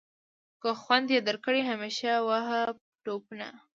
که خوند یې درکړ همیشه وهه ټوپونه.